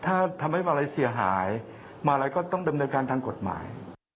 ถ้าทำให้มาลัยเสียหายมาลัยก็ต้องดำเนินการทางกฎหมาย